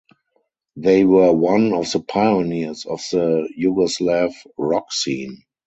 They were one of the pioneers of the Yugoslav rock scene.